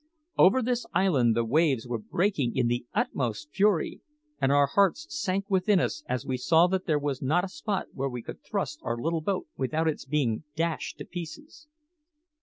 Over this island the waves were breaking in the utmost fury, and our hearts sank within us as we saw that there was not a spot where we could thrust our little boat without its being dashed to pieces.